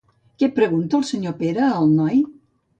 Què pregunta el senyor Pere al noi?